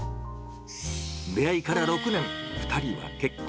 出会いから６年、２人は結婚。